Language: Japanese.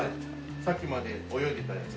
さっきまで泳いでたやつです。